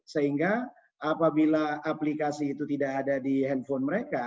sehingga apabila aplikasi itu tidak ada di handphone mereka